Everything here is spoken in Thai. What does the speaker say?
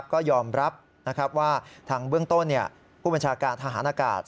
ก็ยอมรับว่าทางเบื้องต้นผู้บัญชาการทหารอากาศ